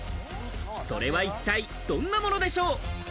それは一体どんなものでしょう？